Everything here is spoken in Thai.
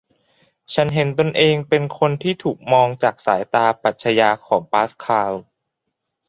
ฉันเห็นตนเองเป็นคนที่ถูกมองจากสายตาปรัชญาของปาสคาล